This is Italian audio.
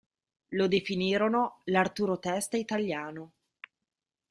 Lo definirono “l'Arturo Testa italiano”.